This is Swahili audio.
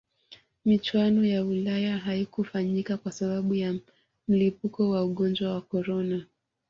michuano ya ulaya haikufanyika kwa sababu ya mlipuko wa ugonjwa wa corona